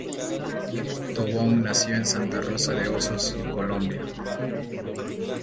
Tobón nació en Santa Rosa de Osos, Colombia.